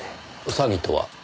詐欺とは？